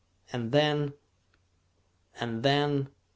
And then...." "And then